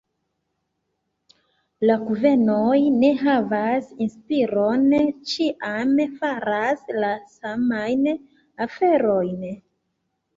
La kunvenoj ne havas inspiron, ĉiam faras la samajn aferojn.